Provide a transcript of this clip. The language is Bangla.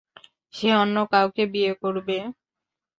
সে অন্য কাউকে বিয়ে করবে?